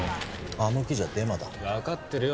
あの記事はデマだ分かってるよ